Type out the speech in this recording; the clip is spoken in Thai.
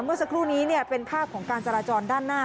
เมื่อสักครู่นี้เป็นภาพของการจราจรด้านหน้า